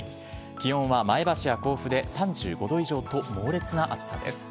気温は前橋や甲府で３５度以上と猛烈な暑さです。